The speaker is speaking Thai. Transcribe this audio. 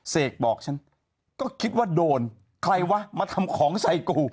เสกบอกฉันก็คิดว่าโดนใครวะมาทำของใส่กู